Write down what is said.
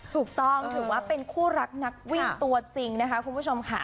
ถูกต้องถือว่าเป็นคู่รักนักวิ่งตัวจริงนะคะคุณผู้ชมค่ะ